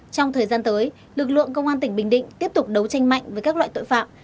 trong thời gian tới lực lượng công an tỉnh bình định tiếp tục đấu tranh mạnh với các loại tội phạm